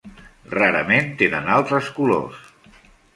Rarament tenen altres colors.